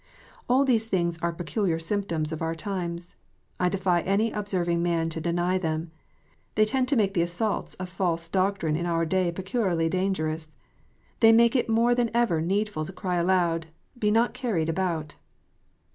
All these things are peculiar symptoms of our times. I defy any observing man to deny them. They tend to make the assaults of false doctrine in our day peculiarly dangerous. They make it more than ever needful to cry aloud, " Be not carried about."